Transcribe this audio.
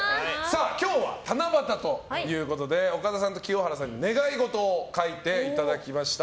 今日は七夕ということで岡田さんと清原さんに願い事を書いていただきました。